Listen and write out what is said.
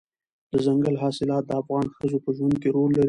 دځنګل حاصلات د افغان ښځو په ژوند کې رول لري.